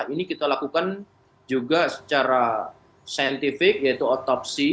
ini kita lakukan juga secara saintifik yaitu otopsi